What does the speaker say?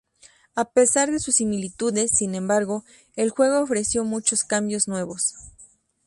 A pesar de sus similitudes, sin embargo, el juego ofreció muchos cambios nuevos.